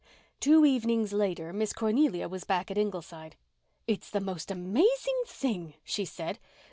Two evenings later Miss Cornelia was back at Ingleside. "It's the most amazing thing!" she said.